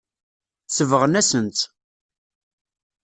Sebɣen-asen-tt.